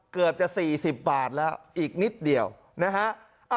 เกือบจะ๔๐บาทแล้วอีกนิดเดียวนะฮะ